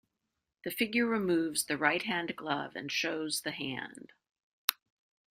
The figure removes the right-hand glove and shows the hand.